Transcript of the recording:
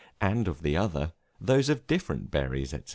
and of the other, those of different berries, &c.